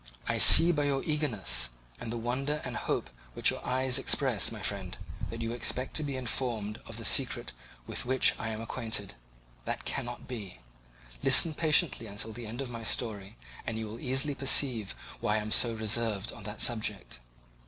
I see by your eagerness and the wonder and hope which your eyes express, my friend, that you expect to be informed of the secret with which I am acquainted; that cannot be; listen patiently until the end of my story, and you will easily perceive why I am reserved upon that subject.